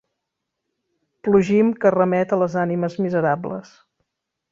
Plugim que remet a les ànimes miserables.